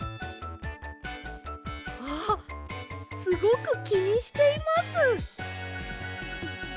あっすごくきにしています。